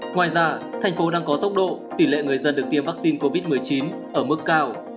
ngoài ra thành phố đang có tốc độ tỷ lệ người dân được tiêm vaccine covid một mươi chín ở mức cao